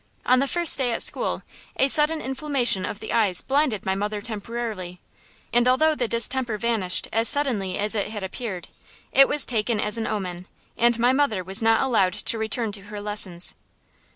On the first day at school, a sudden inflammation of the eyes blinded my mother temporarily, and although the distemper vanished as suddenly as it had appeared, it was taken as an omen, and my mother was not allowed to return to her lessons.